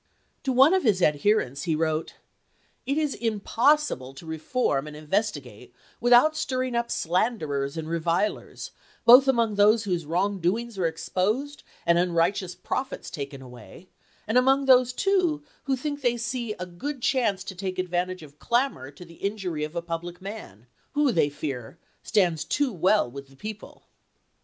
To one of his adherents he wi'ote :" It is impossible to re form and investigate without stirring up slanderers and revilers, both among those whose wrong doings are exposed and unrighteous profits taken away, and among those, too, who think they see a good chance to take advantage of clamor to the injury tooubert, of a public man, who, they fear, stands too well ibw.^p.se?! with the people."